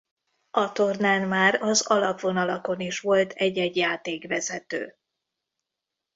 A tornán már az alapvonalakon is volt egy-egy játékvezető.